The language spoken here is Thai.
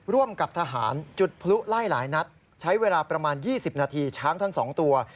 ร่วมกับทหารจุดพลุไล่หลายนัดใช้เวลาประมาณ๒๐นาทีช้างทั้ง๒ตัว